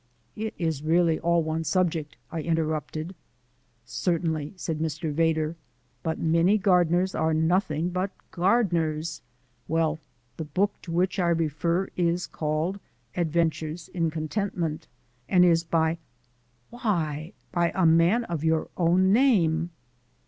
"It is really all one subject," I interrupted. "Certainly," said Mr. Vedder, "but many gardeners are nothing but gardeners. Well, the book to which I refer is called 'Adventures in Contentment,' and is by Why, a man of your own name!"